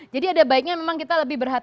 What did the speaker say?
jadi ada baiknya memang kita lebih berhatian